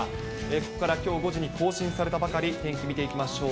ここからきょう５時に更新されたばかり、天気見ていきましょう。